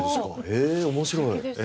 へえ面白い。